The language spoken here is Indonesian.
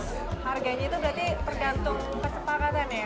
harganya itu berarti tergantung kesepakatan ya